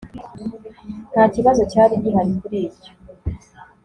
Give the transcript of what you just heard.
nta kibazo cyari gihari kuri ibyo